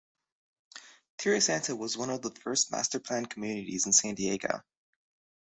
Tierrasanta was one of the first master planned communities in San Diego.